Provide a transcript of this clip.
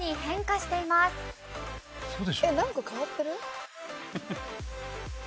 なんか変わってる？